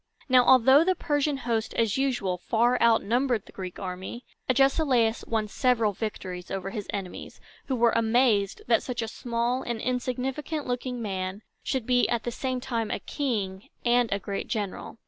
Now, although the Persian host, as usual, far outnumbered the Greek army, Agesilaus won several victories over his enemies, who were amazed that such a small and insignificant looking man should be at the same time a king and a great general.